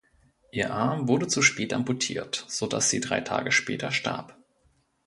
Ihr Arm wurde zu spät amputiert, so dass sie drei Tage später starb.